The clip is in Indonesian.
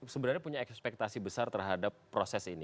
sebenarnya punya ekspektasi besar terhadap proses ini